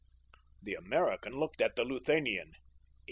The American looked at the Luthanian.